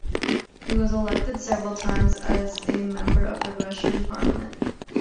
He was elected several times as a member of the Russian parliament.